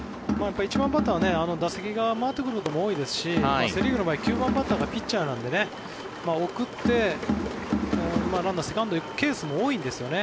１番バッターは打席が回ってくることも多いですしセ・リーグの場合９番バッターがピッチャーなんで送って、ランナーセカンドへ行くケースも多いんですよね。